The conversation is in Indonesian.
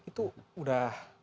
itu udah langkah yang berulang